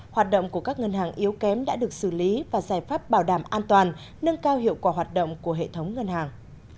hoạt động của các ngân hàng yếu kém đã được xử lý và giải pháp bảo đảm an toàn nâng cao hiệu quả hoạt động của hệ thống ngân hàng